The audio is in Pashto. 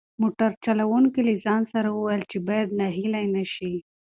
موټر چلونکي له ځان سره وویل چې باید ناهیلی نشي.